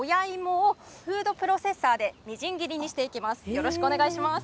よろしくお願いします。